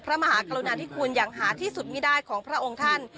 มหากรุณาธิคุณอย่างหาที่สุดไม่ได้ของพระองค์ท่าน